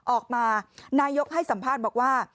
ออกมานายกให้สัมภาษณ์บอกว่า